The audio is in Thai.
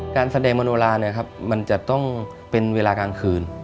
การแสดงมนุราคมมันจะต้องเป็นเวลากลางคืน